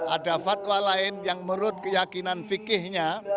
ada fatwa lain yang menurut keyakinan fikihnya